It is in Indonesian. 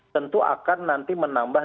tentu akan nanti menambah